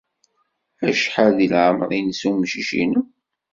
Acḥal deg leɛmeṛ-nnes umcic-nnem?